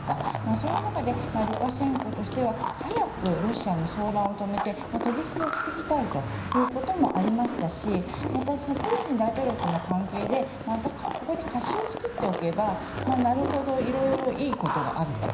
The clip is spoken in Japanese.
そういう中で、ルカシェンコとしては早くロシアの騒乱を止めて、飛び火を防ぎたいということもありましたし、またプーチン大統領との関係で、ここで貸しを作っておけば、なるほど、いろいろいいことがあると。